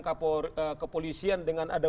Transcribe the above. kepolisian dengan ada